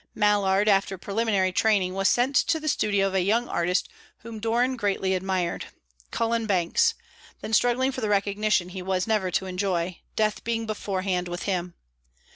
Mallard, after preliminary training, was sent to the studio of a young artist whom Doran greatly admired, Cullen Banks, then struggling for the recognition he was never to enjoy, death being beforehand with him.